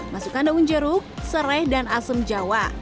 masukkan daun jeruk serai dan asem jawa